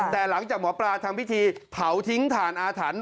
แต่หลังจากหมอปลาทำพิธีเผาทิ้งถ่านอาถรรพ์